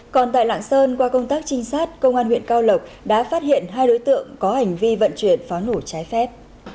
còn tại lạng sơn qua công tác trinh sát công an huyện cao lộc đã phát hiện hai đối tượng có hành vi vận chuyển pháo nổ trái phép